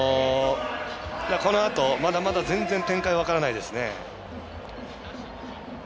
このあと、まだまだ全然展開分からないですね。